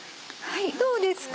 どうですか？